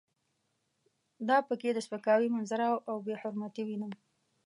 دا په کې د سپکاوي منظره او بې حرمتي وینم.